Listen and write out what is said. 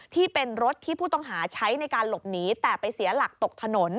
ที่เป็นรถที่ผู้ต้องหาใช้ในการหลบหนีแต่ไปเสียหลักตกถนน